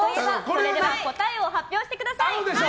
それでは答えを発表してください。